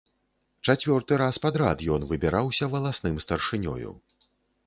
Чацвёрты раз падрад ён выбіраўся валасным старшынёю.